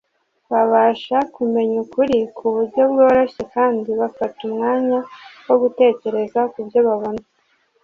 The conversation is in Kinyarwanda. babasha kumenya ukuri ku buryo bworoshye kandi bafata umwanya wo gutekereza kubyo babona